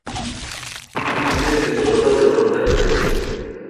Es un líquido incoloro de olor característico.